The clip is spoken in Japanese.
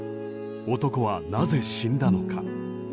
男はなぜ死んだのか。